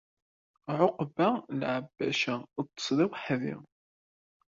Ɛukba l ɣbecca, ṭṭes d aweḥdi.